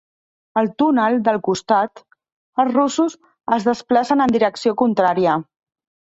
Al túnel del costat, els russos es desplacen en direcció contrària.